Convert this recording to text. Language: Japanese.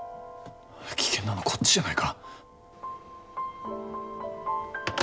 危険なのはこっちじゃないか。